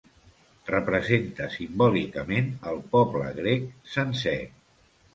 Representa simbòlicament el poble grec sencer.